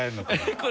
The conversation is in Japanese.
これ。